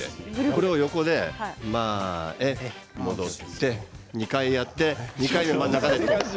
これを横で前戻って２回やって真ん中で手。